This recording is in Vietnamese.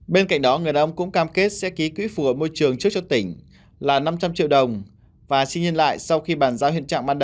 bên cạnh đó người đàn ông cũng cam kết sẽ ký quỹ phù hợp môi trường trước cho tỉnh